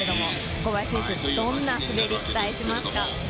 小林選手、どんな滑り期待しますか？